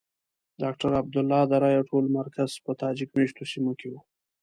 د ډاکټر عبدالله د رایو ټول مرکز په تاجک مېشتو سیمو کې وو.